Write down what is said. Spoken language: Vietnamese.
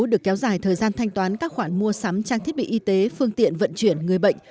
được kéo dài thời gian thanh toán các khoản mua sắm trang thiết bị y tế phương tiện vận chuyển người bệnh